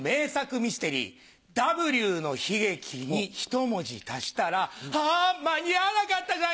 ミステリー『Ｗの悲劇』にひと文字足したらあ間に合わなかったじゃん